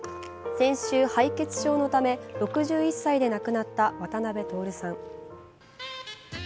先週、敗血症のため６１歳で亡くなった渡辺徹さん。